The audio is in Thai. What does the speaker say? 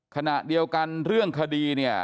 ขณะเดียวกันเรื่องคดีเนี่ย